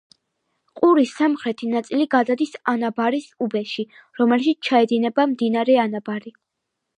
ყურის სამხრეთი ნაწილი გადადის ანაბარის უბეში, რომელშიც ჩაედინება მდინარე ანაბარი.